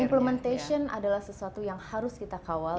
implementation adalah sesuatu yang harus kita kawal